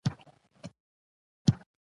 زه باور لرم چې زه به د دغو پيسو څښتن کېږم.